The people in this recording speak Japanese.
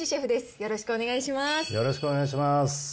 よろしくお願いします。